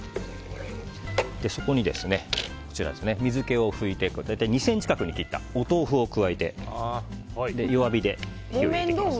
そこに水けを拭いて２ｃｍ角に切ったお豆腐を加えて弱火で火を入れていきます。